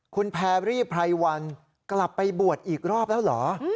คุณแพรรี่ไพรวันกลับไปบวชอีกรอบแล้วเหรอ